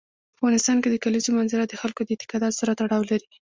په افغانستان کې د کلیزو منظره د خلکو د اعتقاداتو سره تړاو لري.